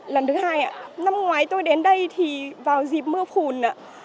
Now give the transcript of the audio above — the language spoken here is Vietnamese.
lần thứ hai năm ngoái tôi đến đây thì vào dịp mưa phùn ạ